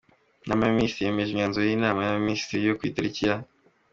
Inama y‟Abaminisitiri yemeje Imyanzuro y‟Inama y‟Abaminisitiri yo ku itariki ya